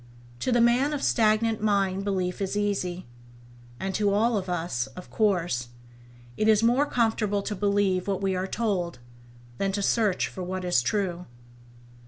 To the man of stagnant mind belief is easy. And to all [Page 4] of us, of course, it is more comfortable to believe what we are told, than it is to search for what is true.